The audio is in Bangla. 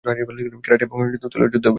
ক্যারাটে এবং তলোয়ার যুদ্ধে অভিজ্ঞ।